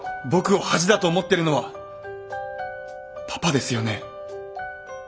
僕を恥だと思ってるのはパパですよね？